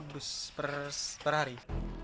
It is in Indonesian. sepuluh dus per hari